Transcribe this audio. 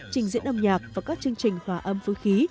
trình diễn âm nhạc và các chương trình hòa âm phối khí